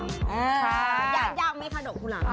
ยากไหมคะดอกกุหลาบ